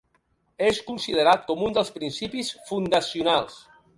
És considerat com un dels principis fundacionals